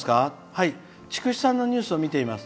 はい、筑紫さんのニュースを見ています。